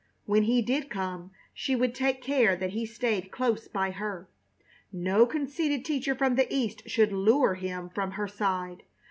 When he did come she would take care that he stayed close by her. No conceited teacher from the East should lure him from her side.